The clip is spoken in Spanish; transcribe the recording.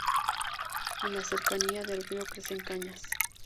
En la cercanía del río crecen cañas.